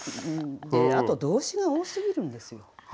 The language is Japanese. あと動詞が多すぎるんですよ。